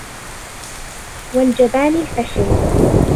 وَالْجَبَانِ الْفَشِلِ